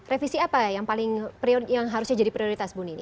revisi apa yang paling yang harusnya jadi prioritas buni